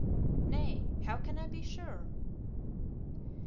Nay, how can I be sure?"